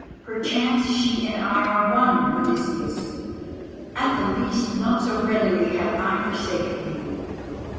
Perchance she and I are one, Odysseus. At the least, not so readily had I forsaken thee.